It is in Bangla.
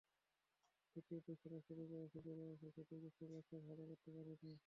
টি-টোয়েন্টি খেলা শুরু করেছি ক্যারিয়ারের শেষের দিকে, খুব একটা ভালো করতে পারিনি।